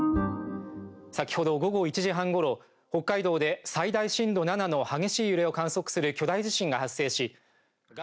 先ほど午後１時半ごろ北海道で最大震度７の激しい揺れを観測する巨大地震が発生し。